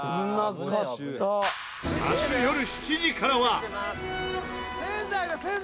明日よる７時からは。